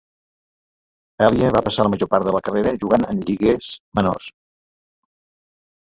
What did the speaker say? Elia va passar la major part de la carrera jugant en lligues menors.